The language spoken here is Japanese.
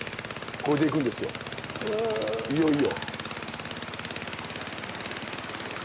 これで行くんですよいよいよ。